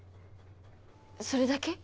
それだけ？